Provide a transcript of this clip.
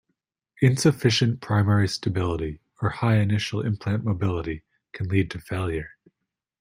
Insufficient primary stability, or high initial implant mobility, can lead to failure.